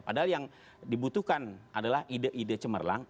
padahal yang dibutuhkan adalah ide ide cemerlang